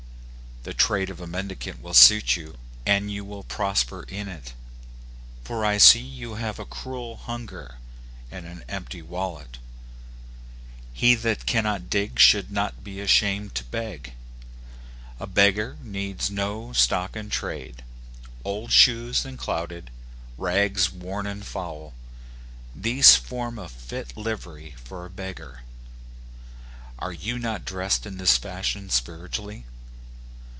The trade of a mendicant will suit you, and you will prosper in it ; for I see you have a cruel hunger, and an empty wallet. He that cannot dig should not be ashamed to beg. A beggar needs no stock in trade. " Old shoes and clouted,*' rags worn and foul — these form a fit livery for a beggar. Are you not dressed in this fashion spiritually?